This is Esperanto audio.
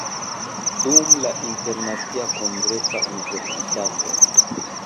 Dum la Internacia Kongresa Universitato.